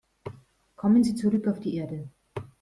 Kommen Sie zurück auf die Erde.